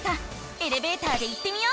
エレベーターで行ってみよう！